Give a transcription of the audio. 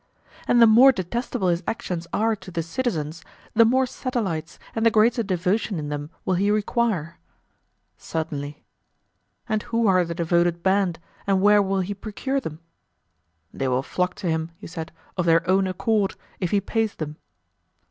And the more detestable his actions are to the citizens the more satellites and the greater devotion in them will he require? Certainly. And who are the devoted band, and where will he procure them? They will flock to him, he said, of their own accord, if he pays them.